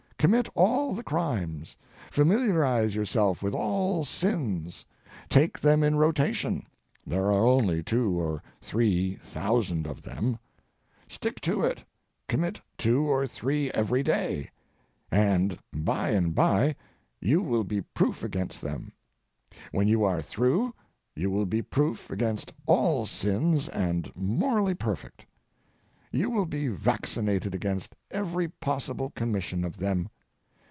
Commit all the crimes, familiarize yourself with all sins, take them in rotation (there are only two or three thousand of them), stick to it, commit two or three every day, and by and by you will be proof against them. When you are through you will be proof against all sins and morally perfect. You will be vaccinated against every possible commission of them.